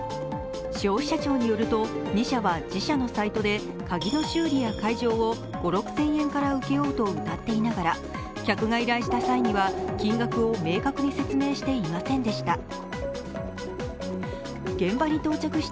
消費者庁によると、２社は自社のサイトで鍵の修理や解錠を５０００６０００円で請け負うとうたっていながら、規約が依頼した際には金額を明確に説明していませんでした。